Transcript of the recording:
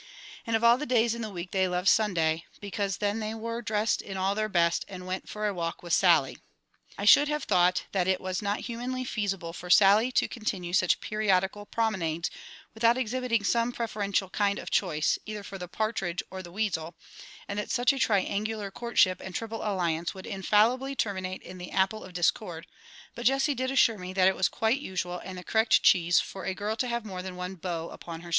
And of all the days in the week they loved Sunday, because then they were dressed in all their best, and went for a walk with SALLY. I should have thought that it was not humanly feasible for SALLY to continue such periodical promenades without exhibiting some preferential kind of choice, either for the partridge or the weasel, and that such a triangular courtship and triple alliance would infallibly terminate in the apple of discord, but JESSIE did assure me that it was quite usual and the correct cheese for a girl to have more than one beau upon her string.